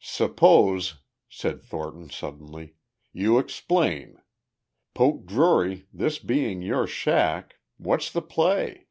"Suppose," said Thornton suddenly, "you explain. Poke Drury, this being your shack.... What's the play?"